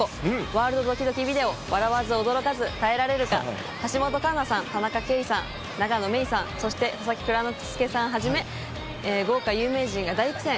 ワールドドキドキビデオ、笑わず、驚かず耐えられるか、橋本環奈さん、田中圭さん、永野芽郁さん、そして佐々木蔵之介さんはじめ、豪華有名人が大苦戦。